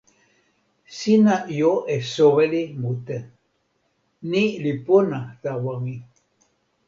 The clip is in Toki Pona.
sina jo e soweli mute. ni li pona tawa mi.